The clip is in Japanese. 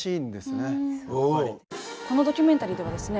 このドキュメンタリーではですね